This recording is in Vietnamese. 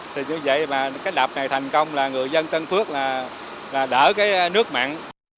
thì như vậy mà cái đập này thành công là người dân tân phước là đỡ cái nước mặn